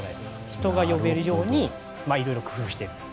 人が呼べるようにいろいろ工夫していると。